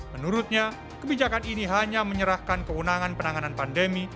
menurutnya kebijakan ini hanya menyerahkan kewenangan penanganan pandemi